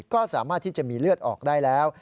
ก็สามารถที่จะมีเลือดออกได้แล้ว